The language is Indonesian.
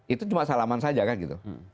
itu cuma salaman saja kan gitu